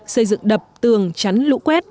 xây dựng đập tường chắn lũ quét